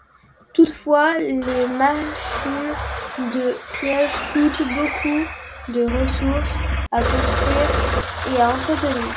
Toutefois, les machines de siège coûtent beaucoup de ressources à construire et à entretenir.